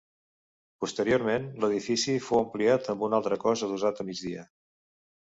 Posteriorment l'edifici fou ampliat amb un altre cos adossat a migdia.